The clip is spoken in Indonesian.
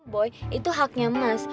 boy itu haknya mas